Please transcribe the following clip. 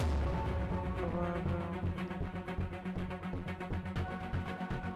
আমার পিইএল হিসাবের টাকাগুলো চলতি হিসাবে ট্রান্সফার করে দিন।